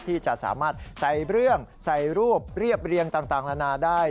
ที่จะสามารถใส่เรื่องใส่รูปเรียบเรียงต่างนานาได้